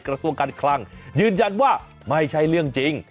กระทรวงการคลังยืนยันว่าไม่ใช่เรื่องจริง